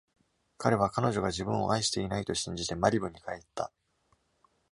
彼は、彼女が自分を愛していないと信じてマリブに帰った。